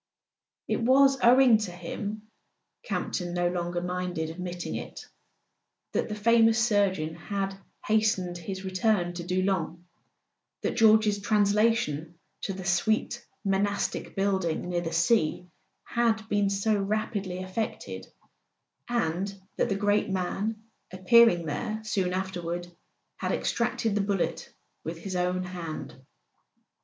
It was owing to him—Campton no longer minded ad¬ mitting it—that the famous surgeon had hastened his return to Doullens, that George's translation to the sweet monastic building near the sea had been so rapidly effected, and that the great man, appearing there soon afterward, had extracted the bullet with his own hand.